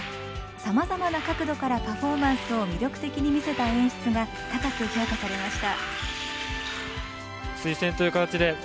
さまざまな角度からパフォーマンスを魅力的に見せた演出が高く評価されました。